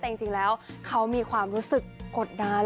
แต่จริงแล้วเขามีความรู้สึกกดดัน